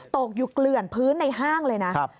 ตกอยู่เกลื่อนพื้นในห้างเลยนะ